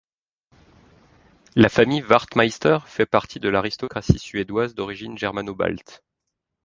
La famille Wachtmeister fait partie de l'aristocratie suédoise d'origine germano-balte.